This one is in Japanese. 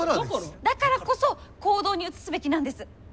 だからこそ行動に移すべきなんです！